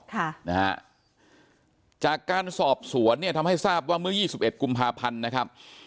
ค่ะนะฮะจากการสอบสวนเนี่ยทำให้ทราบว่าเมื่อยี่สิบเอ็ดกุมภาพันธ์นะครับ